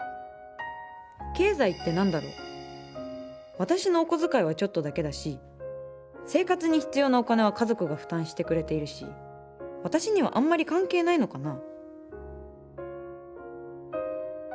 私のお小遣いはちょっとだけだし生活に必要なお金は家族が負担してくれているし私にはあんまり関係ないのかな？